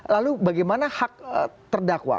lalu bagaimana hak terdakwa